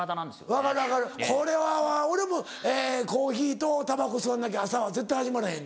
分かる分かるこれは俺もコーヒーとタバコ吸わなきゃ朝は絶対始まらへん。